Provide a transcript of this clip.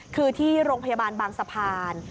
คือที่โรงพยาบาลบางสะพาน